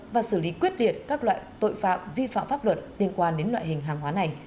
và xử lý quyết liệt các loại tội phạm vi phạm pháp luật liên quan đến loại hình hàng hóa này